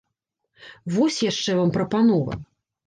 Вось яшчэ вам прапанова!